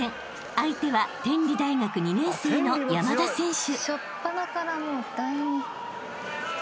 相手は天理大学２年生の山田選手］